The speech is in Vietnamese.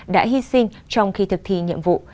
đã hy sinh trong khi thực thi nhiệm vụ